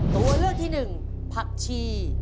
ตัวเลือกที่หนึ่งผักชี